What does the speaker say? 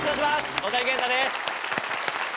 大谷健太です。